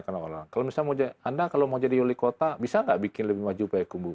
kalau misalnya anda kalau mau jadi wali kota bisa nggak bikin lebih maju payakumbu